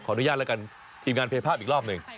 อนุญาตแล้วกันทีมงานเพย์ภาพอีกรอบหนึ่ง